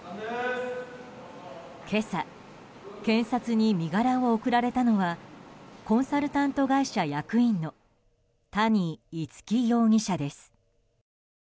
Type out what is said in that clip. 今朝検察に身柄を送られたのはコンサルタント会社役員の谷逸輝容疑者です。